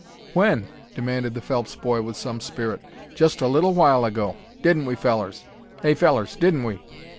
"When?" demanded the Phelps boy, with some spirit. "Just a little while ago. Didn't we, fellers? Hey, fellers, didn't we?"